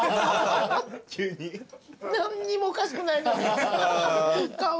何にもおかしくないのに。